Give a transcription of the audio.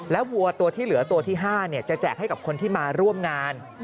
วัวตัวที่เหลือตัวที่๕จะแจกให้กับคนที่มาร่วมงาน